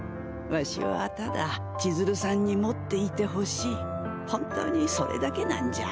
わしはただ千鶴さんに持っていてほしい本当にそれだけなんじゃ。